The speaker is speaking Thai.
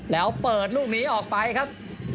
แล้วเปิดลูกนี้ออกไปครับ